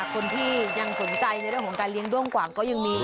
คนที่ยังสนใจในเรื่องของการเลี้ยงด้วงกว่างก็ยังมี